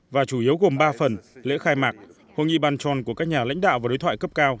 và chủ yếu gồm ba phần lễ khai mạc hội nghị bàn tròn của các nhà lãnh đạo và đối thoại cấp cao